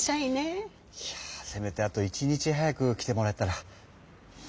いやぁせめてあと１日早く来てもらえたら。